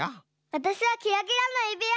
わたしはキラキラのゆびわ！